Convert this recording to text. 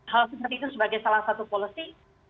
hal seperti itu sebagai salah satu policy